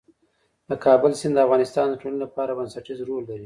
د کابل سیند د افغانستان د ټولنې لپاره بنسټيز رول لري.